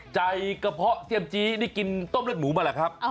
กระเพาะเซียมจี้นี่กินต้มเลือดหมูมาแหละครับ